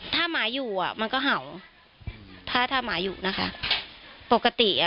ถ้าหมาอยู่อ่ะมันก็เห่าถ้าถ้าหมาอยู่นะคะปกติอ่ะ